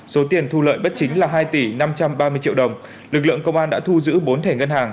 số tiền thu lợi bất chính là hai tỷ năm trăm ba mươi triệu đồng lực lượng công an đã thu giữ bốn thẻ ngân hàng